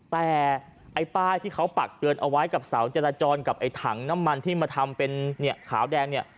แต่ไอ้ป้ายที่เขาปักเตือนเอาไว้กับเสาจราจรกับไอ้ถังน้ำมันที่มาทำเป็นเนี่ยขาวแดงเนี่ย